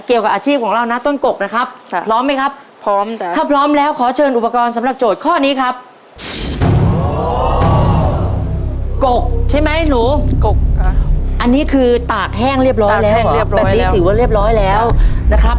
เกี่ยวกับอาชีพของเรานะต้นกกนะครับ